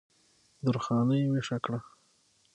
درخانۍ ویښه کړه